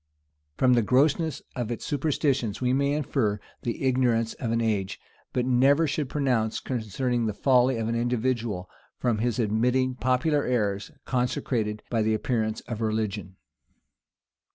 From the grossness of its superstitions we may infer the ignorance of an age; but never should pronounce concerning the folly of an individual, from his admitting popular errors, consecrated by the appearance of religion.